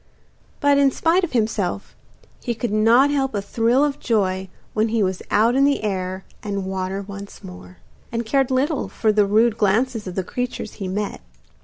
But, in spite of himself, he could not help a thrill of joy when he was out in the air and water once more, and cared little for the rude glances of the creatures he met.